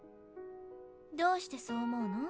どうしてそう思うの？